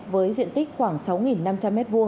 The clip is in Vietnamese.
với diện tích khoảng sáu năm trăm linh m hai